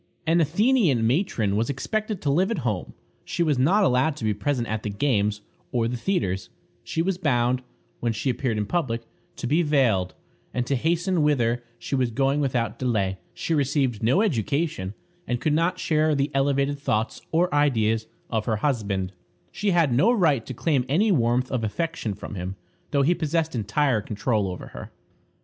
An Athenian matron was expected to live at home. She was not allowed to be present at the games or the theatres; she was bound, when she appeared in public, to be veiled, and to hasten whither she was going without delay; she received no education, and could not share the elevated thoughts or ideas of her husband; she had no right to claim any warmth of affection from him, though he possessed entire control over her.